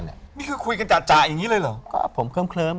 นี่คือคุยกันจาอย่างงี้เลยหรอ